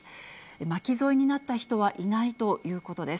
巻き添えになった人はいないということです。